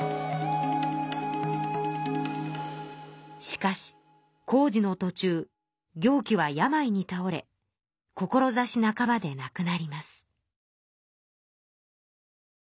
しかし工事のとちゅう行基は病にたおれ志半ばでなくなります。